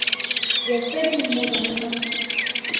எப்படி, இந்த வணிகம்?